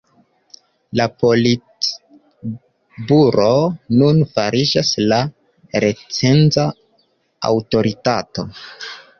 La Politburoo nun fariĝas la recenza aŭtoritato.